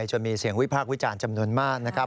จนมีเสียงวิพากษ์วิจารณ์จำนวนมากนะครับ